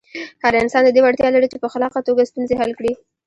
هر انسان د دې وړتیا لري چې په خلاقه توګه ستونزې حل کړي.